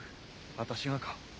私がか？